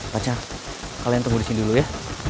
baca kalian tunggu disini dulu ya